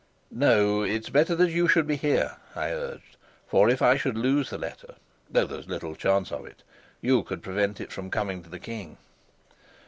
"No, it's better you should be here," I urged. "For if I should lose the letter though there's little chance of it you could prevent it from coming to the king."